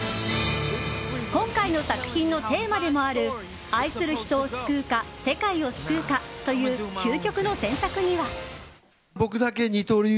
今回の作品のテーマでもある愛する人を救うか世界を救うかという究極の選択には。